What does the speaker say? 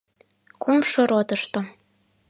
— Кумшо ротышто.